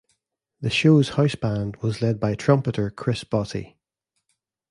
The show's house band was led by trumpeter Chris Botti.